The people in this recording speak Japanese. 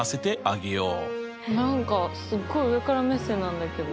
何かすっごい上から目線なんだけど。